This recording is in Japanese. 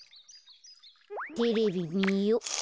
テレビみよ。